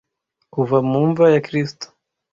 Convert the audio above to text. Kuva mu mva ya Kristo.